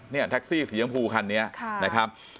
เนี่ยแท็กซี่สีชมพูคันนี้นะครับ